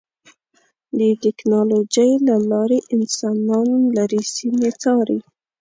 د ټکنالوجۍ له لارې انسانان لرې سیمې څاري.